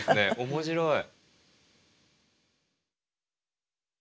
面白い。